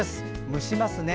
蒸しますね。